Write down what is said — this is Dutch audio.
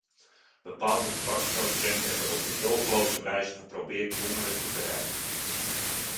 Bepaalde tabaksproducenten hebben op meedogenloze wijze geprobeerd jongeren te bereiken.